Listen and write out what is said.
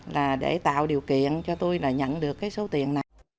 là để tạo điều kiện cho tôi là nhận được cái số tiền này